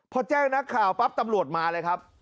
พอแจ้งนักข่าวปั๊บตำรวจมาเลยครับ